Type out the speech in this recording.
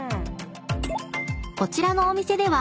［こちらのお店では］